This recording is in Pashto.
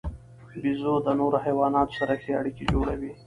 بیزو د نورو حیواناتو سره ښې اړیکې جوړوي.